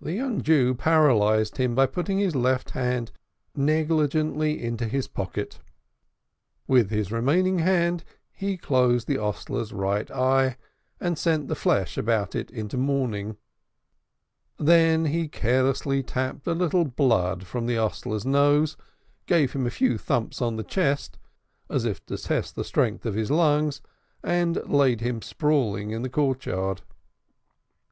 The young Jew paralyzed him by putting his left hand negligently into his pocket. With his remaining hand he closed the hostler's right eye, and sent the flesh about it into mourning. Then he carelessly tapped a little blood from the hostler's nose, gave him a few thumps on the chest as if to test the strength of his lungs, and laid him sprawling in the courtyard.